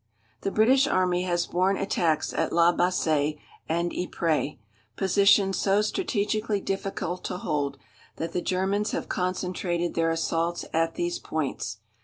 The British Army has borne attacks at La Bassée and Ypres, positions so strategically difficult to hold that the Germans have concentrated their assaults at these points.